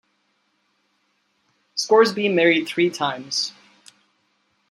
Scoresby married three times.